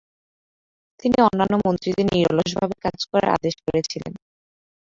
তিনি অন্যান্য মন্ত্রীদের নিরলস ভাবে কাজ করার আদেশ করেছিলেন।